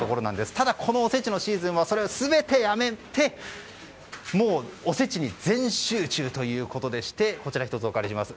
ただ、このおせちのシーズンはそれを全てやめておせちに全集中！ということでこちら、１つお借りします。